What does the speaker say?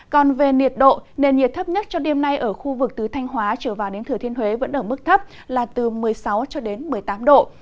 còn về nhiệt độ nền nhiệt thấp nhất cho đêm nay ở khu vực từ thanh hóa trở vào đến thừa thiên huế vẫn ở mức thấp là từ một mươi sáu một mươi tám độ